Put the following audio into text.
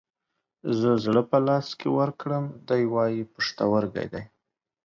زه زړه په لاس کې ورکړم ، دى واي پښتورگى دى.